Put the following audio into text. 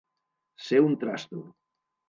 Ser un trasto.